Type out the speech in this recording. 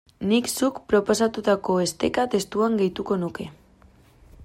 Nik zuk proposatutako esteka testuan gehituko nuke.